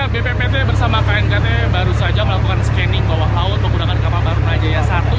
bppt bersama knkt baru saja melakukan penyusuran bawah laut menggunakan teknologi yang ada di kapal baruna jaya i